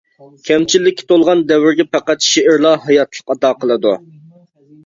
كەمچىلىككە تولغان دەۋرگە پەقەت شېئىرلا ھاياتلىق ئاتا قىلىدۇ.